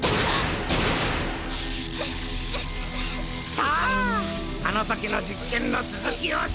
さぁあの時の実験の続きをしよう！